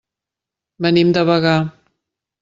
Venim de Bagà.